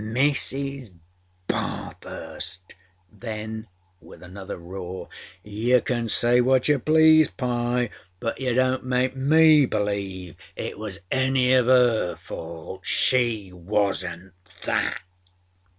â¦ Mrs. Bathurstâ¦.â Then with another roar: âYou can say what you please, Pye, but you donât make me believe it was any of âer fault. She wasnât _that!